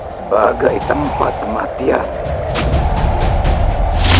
sebagai tempat kematian